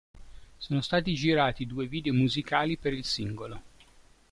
Sono stati girati due video musicali per il singolo.